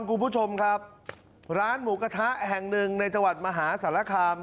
คุณผู้ชมครับร้านหมูกระทะแห่งหนึ่งในจังหวัดมหาสารคาม